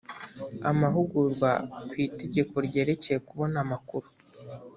amahugurwa ku itegeko ryerekeye kubona amakuru